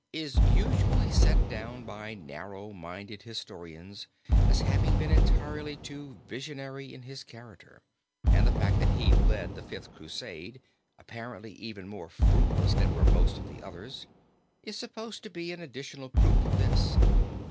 is usually set down by narrow minded historians as having been entirely too visionary in his character, and the fact that he led the fifth Crusade, apparently even more fruitless than were most of the others, is supposed to be an additional proof of this.